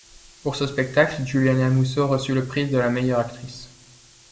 Pour ce spectacle, Giuliana Musso reçut le prix de la meilleure actrice.